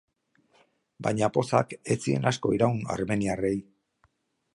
Baina pozak ez zien asko iraun armeniarrei.